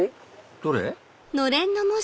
どれ？